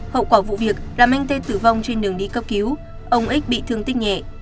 hậu quả vụ việc làm anh tê tử vong trên đường đi cấp cứu ông ích bị thương tích nhẹ